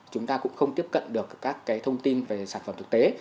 chúng ta cũng không tiếp cận được các thông tin về sản phẩm thực tế